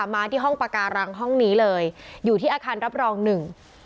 มาที่ห้องปาการังห้องนี้เลยอยู่ที่อาคารรับรองหนึ่ง